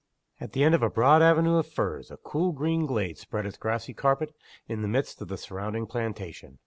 At the end of a broad avenue of firs a cool green glade spread its grassy carpet in the midst of the surrounding plantation.